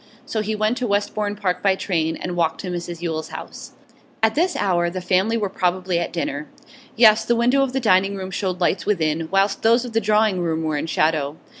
So he went to Westbourne Park by train, and walked to Mrs Yule's house. At this hour the family were probably at dinner; yes, the window of the dining room showed lights within, whilst those of the drawing room were in shadow.